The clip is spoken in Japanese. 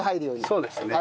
そうですね。